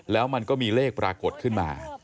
แล้วมันก็มีเลขปรากฏขึ้นมา